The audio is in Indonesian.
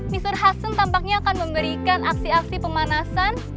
mr hudson tampaknya akan memberikan aksi aksi pemanasan